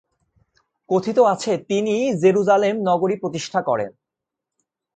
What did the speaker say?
কথিত আছে তিনিই জেরুসালেম নগরী প্রতিষ্ঠা করেন।